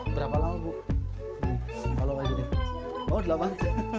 berapa lama bu kalau lagi mau delapan